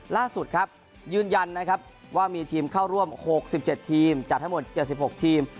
ล่าสุดครับยืนยันนะครับว่ามีทีมเข้าร่วม๖๗ทีมจัดทั้งหมด๗๖ทีม